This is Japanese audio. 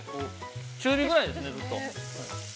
◆中火ぐらいですね、ずっと。